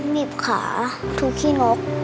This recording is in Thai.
หลีบขาถูขี้นก